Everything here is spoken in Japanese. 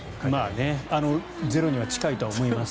ゼロには近いと思います。